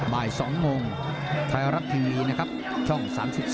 บ่าย๒โมงไทยรัฐทีวีนะครับช่อง๓๒